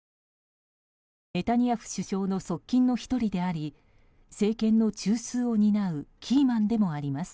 ネタニヤフ首相の側近の１人であり政権の中枢を担うキーマンでもあります。